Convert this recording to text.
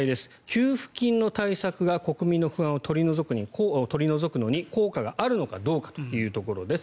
給付金の対策が国民の不安を取り除くのに効果があるのかどうかというところです。